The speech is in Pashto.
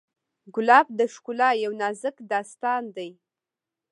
ګلاب د ښکلا یو نازک داستان دی.